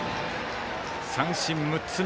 三振６つ目。